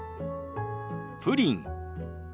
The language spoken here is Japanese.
プリン。